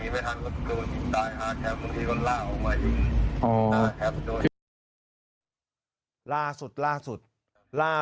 ไม่ได้อยู่ในหมู่บ้านครับ